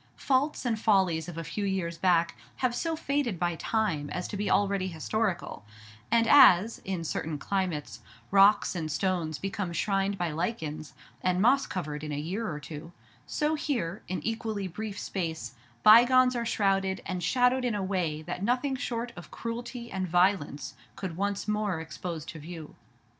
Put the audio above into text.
Faults and follies of a few years back have so faded by time as to be already historical; and as, in certain climates, rocks and stones become shrined by lichens, and moss covered in a year or two, so here, in equally brief space, bygones are shrouded and shadowed in a way that nothing short of cruelty and violence could once more expose to view.